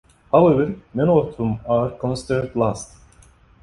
However, many of them are considered lost.